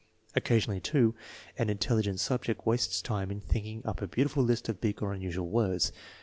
Occa sionally, too, an intelligent subject wastes time in thinking up a beautiful list of big or unusual words.